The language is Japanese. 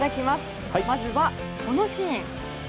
まずは、このシーン。